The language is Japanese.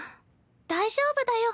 大丈夫だよ